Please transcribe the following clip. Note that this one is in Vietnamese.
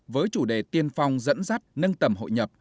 với chủ đề tiên phong dẫn dắt nâng tầm hội nhập